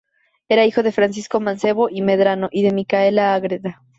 Era hijo de Francisco Mancebo y Medrano y de Micaela Ágreda.